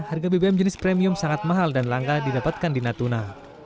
harga bbm jenis premium sangat mahal dan langka didapatkan di natuna